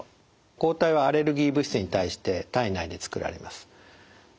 抗体はアレルギー物質に対して体内でつくられます。